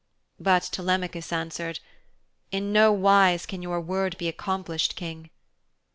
But Telemachus answered, 'In no wise can your word be accomplished, King.'